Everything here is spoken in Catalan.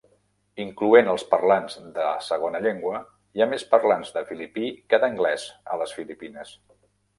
Incloent els parlants de segona llengua, hi ha més parlants de filipí que d'anglès a les Filipines.